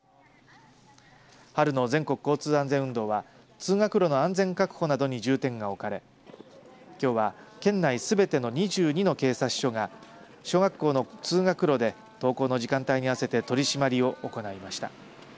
春の全国交通安全運動は通学路の安全確保などに重点が置かれきょうは県内すべての２２の警察署が小学校の通学路で登校の時間帯に合わせて取締りを行いました。